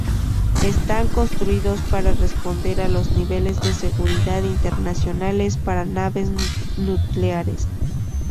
Están construidos para responder a los niveles de seguridad internacionales para naves nucleares.